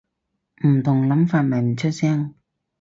唔同諗法咪唔出聲